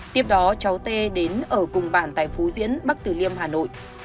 tiếp đó cháu tê đến ở cùng bản tại phú diễn bắc tử liêm hà nội